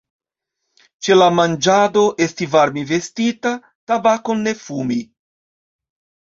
Ĉe la manĝado esti varme vestita; tabakon ne fumi.